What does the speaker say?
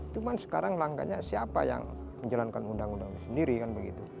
cuma sekarang langkahnya siapa yang menjalankan undang undang sendiri kan begitu